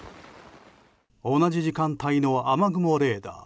同じ時間帯の雨雲レーダー。